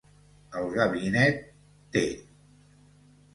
El Gabinet T